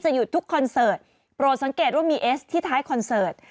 หยุดทุกคอนเสิร์ตโปรดสังเกตว่ามีเอสที่ท้ายคอนเสิร์ต